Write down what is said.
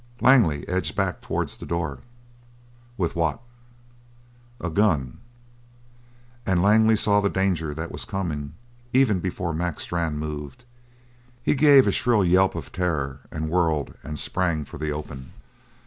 Langley edged back towards the door. "What with?" "A gun." And Langley saw the danger that was coming even before Mac Strann moved. He gave a shrill yelp of terror and whirled and sprang for the open.